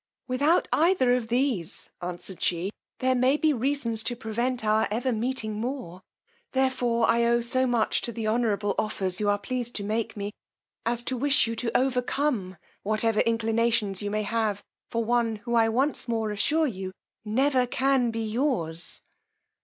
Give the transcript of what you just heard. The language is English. Without either of these, answered she, there may be reasons to prevent our ever meeting more; therefore I owe so much to the honourable offers you are pleased to make me, as to wish you to overcome whatever inclinations you may have for one who I once more assure you never can be yours.